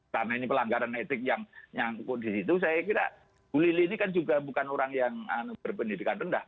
karena ini pelanggaran etik yang di situ saya kira bu lili ini kan juga bukan orang yang berpendidikan rendah